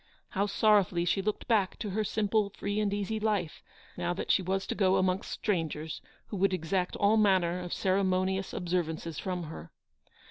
How sorrowfully she looked back to her simple, free and easy life, now that she was to go amongst strangers who would exact all manner 220 of ceremonious observances from her.